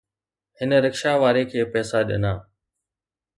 هن رڪشا واري کي پئسا ڏنا